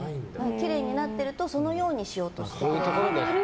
きれいになってるとそのようにしようとしてくれる。